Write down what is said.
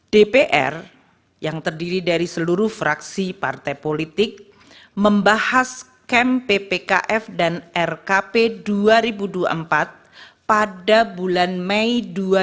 dpr yang terdiri dari seluruh fraksi partai politik membahas kem ppkf dan rkp dua ribu dua puluh empat pada bulan mei dua ribu dua puluh